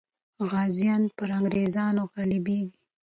غازیان پر انګریزانو غالبېږي.